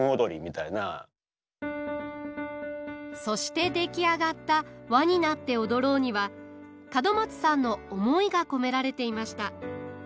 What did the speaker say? そして出来上がった「ＷＡになっておどろう」には角松さんの思いが込められていました。